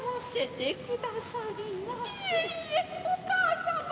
いえいえお母様